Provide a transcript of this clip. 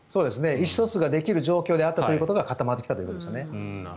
意思疎通ができる状況であったということが固まってきたということですね。